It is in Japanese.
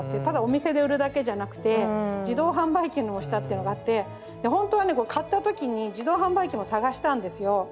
ただお店で売るだけじゃなくて自動販売機のを推したっていうのがあってでほんとはねこれ買った時に自動販売機も探したんですよ